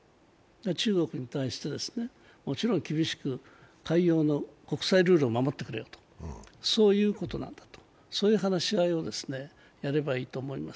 中国に対してもちろん厳しく、海洋の国際ルールを守ってくれと、そういうことなんだと、そういう話し合いをやればいいと思います。